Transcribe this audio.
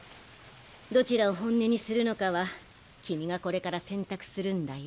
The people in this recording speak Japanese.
どちらを本音にするのかは君がこれから選択するんだよ。